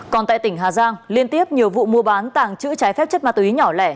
còn tại tỉnh hà giang liên tiếp nhiều vụ mua bán tàng trữ trái phép chất ma túy nhỏ lẻ